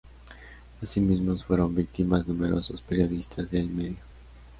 Asimismo fueron víctimas numerosos periodistas del medio.